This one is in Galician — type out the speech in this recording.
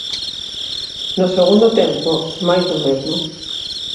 No segundo tempo, máis do mesmo.